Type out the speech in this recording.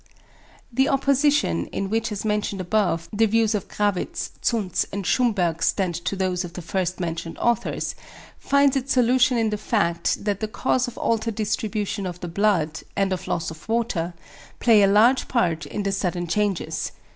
The opposition, in which as mentioned above, the views of Grawitz, Zuntz, and Schumburg stand to those of the first mentioned authors, finds its solution in the fact that the causes of altered distribution of the blood, and of loss of water, play a large part in the sudden changes.